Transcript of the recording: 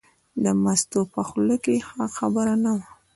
د مستو په خوله کې ښه خبره نه وه.